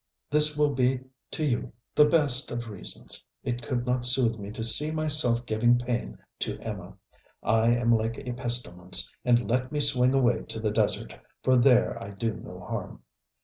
This will be to you the best of reasons. It could not soothe me to see myself giving pain to Emma. I am like a pestilence, and let me swing away to the desert, for there I do no harm.